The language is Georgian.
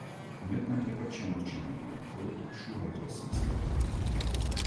მეტნაკლებად შემორჩენილია, მხოლოდ შუა ეკლესიის კედლები.